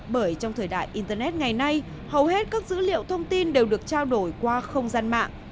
bởi trong thời đại internet ngày nay hầu hết các dữ liệu thông tin đều được trao đổi qua không gian mạng